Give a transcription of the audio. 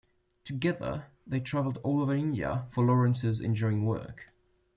Together, they travelled all over India for Lawrence's engineering work.